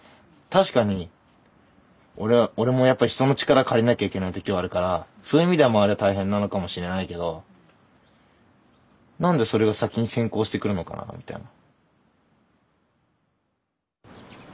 確かに俺もやっぱり人の力借りなきゃいけない時はあるからそういう意味では周りは大変なのかもしれないけど何でそれが先に先行してくるのかなみたいな。